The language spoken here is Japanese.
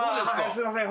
すいません。